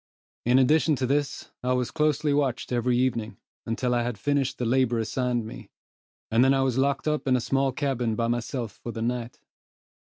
In addition to this, I was closely watched every evening, until I had finished the labor assigned me, and then I was locked up in a small cabin by myself for the night.